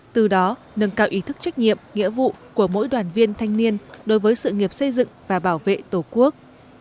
từ đó nâng cao ý thức trách nhiệm nghĩa vụ của mỗi đoàn viên thanh niên đối với sự nghiệp xây dựng và bảo vệ tổ quốc